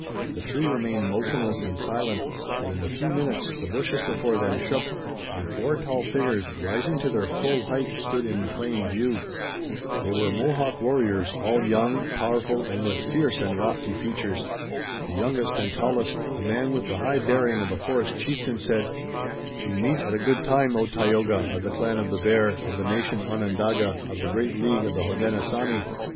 The three remained motionless and silent, but in a few minutes the bushes before them shook, and four tall figures, rising to their full height, stood in plain view. They were Mohawk warriors, all young, powerful and with fierce and lofty features. The youngest and tallest, a man with the high bearing of a forest chieftain, said: "We meet at a good time, O Tayoga, of the clan of the Bear, of the nation Onondaga, of the great League of the Hodenosaunee."